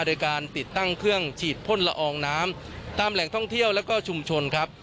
โดยการติดตั้งเครื่องฉีดพ่นละอองน้ำตามแหล่งท่องเที่ยวแล้วก็ชุมชนครับ